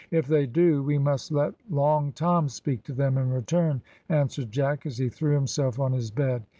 "If they do, we must let Long Tom speak to them in return," answered Jack, as he threw himself on his bed.